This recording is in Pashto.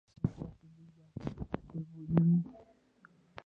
ایا ستاسو بوی به خوشبويه وي؟